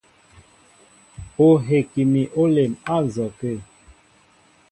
Ó heki mi ólɛm á nzɔkə̂.